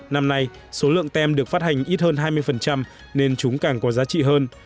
năm nay số lượng tem được phát hành ít hơn hai mươi nên chúng càng có giá trị hơn